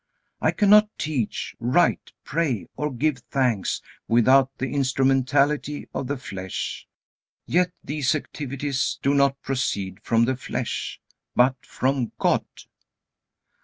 I cannot teach, write, pray, or give thanks without the instrumentality of the flesh; yet these activities do not proceed from the flesh, but from God."